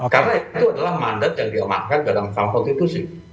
karena itu adalah mandat yang diamankan dalam mahkamah konstitusi